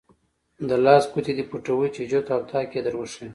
د لاس ګوتې دې پټوې چې جفت او طاق یې دروښایم.